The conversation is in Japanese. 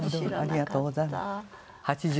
ありがとうございます。